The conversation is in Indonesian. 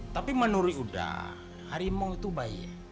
tapi menurut udah harimau itu bayi